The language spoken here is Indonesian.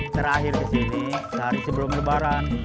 terakhir kesini sehari sebelum lebaran